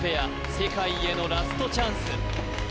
世界へのラストチャンス